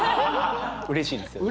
うれしいですよね。